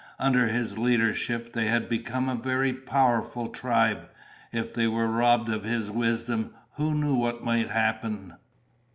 Under his leadership, they had become a very powerful tribe. If they were robbed of his wisdom, who knew what might happen?